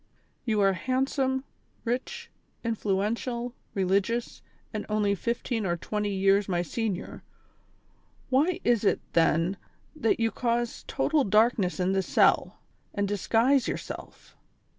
"■ You are handsome, rich, influential, religious and only fifteen or twenty years my senior ; why is it then that you cause total darkness in this cell, and disguise yourself